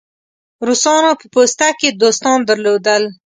روسانو په پوسته کې دوستان درلودل.